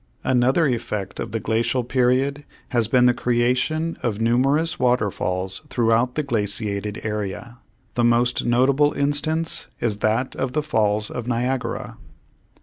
Another effect of the glacial period has been the creation of numerous waterfalls throughout the glaciated area. The most notable instance is that of the Falls of Niagara.